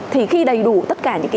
thì khi đầy đủ tất cả những